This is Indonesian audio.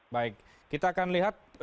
baik kita akan lihat